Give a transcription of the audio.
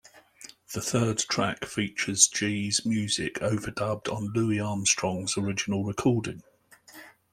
The third track features G's music overdubbed on Louis Armstrong's original recording.